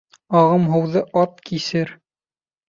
Ағым һыуҙы ат кисер